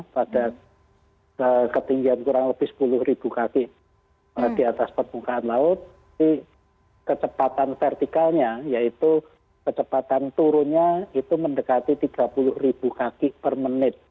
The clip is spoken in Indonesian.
pada ketinggian kurang lebih sepuluh kaki di atas permukaan laut kecepatan vertikalnya yaitu kecepatan turunnya itu mendekati tiga puluh ribu kaki per menit